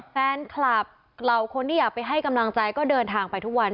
แฟนคลับเหล่าคนที่อยากไปให้กำลังใจก็เดินทางไปทุกวัน